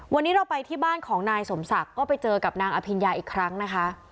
วันนี้เราไปที่บ้านของนายสมศักดิ์ก็ไปเจอกับนางอภิญญาอีกครั้งนะคะ